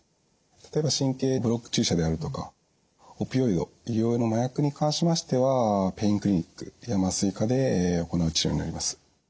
例えば神経ブロック注射であるとかオピオイド医療用の麻薬に関しましてはペインクリニックや麻酔科で行う治療になります。